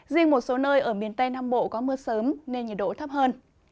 riêng một số nơi ở miền tây nam bộ có mưa sớm nên nhiệt độ thấp hơn